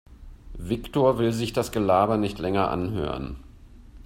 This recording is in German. Viktor will sich das Gelaber nicht länger anhören.